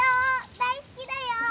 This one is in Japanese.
大好きだよ！」。